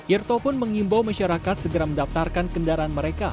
irto pun mengimbau masyarakat segera mendaftarkan kendaraan mereka